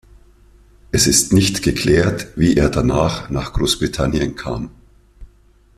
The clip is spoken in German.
Es ist nicht geklärt, wie er danach nach Großbritannien kam.